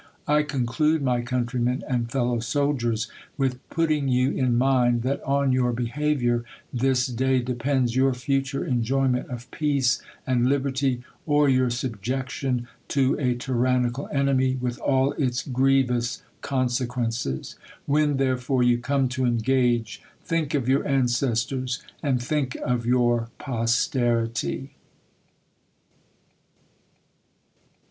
I conclude, my countrymen and fellow soldiers, with putting you in mind, that on your behaviour this day depends your future enjoyment of peace and lib erty, or your subjection to a tyrannical enemy, with all its grievous consecjuenccs. When, therefore, you come to engage, think of your ancestors, and think of your posterity.